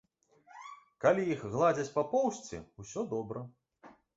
Калі іх гладзяць па поўсці, усё добра.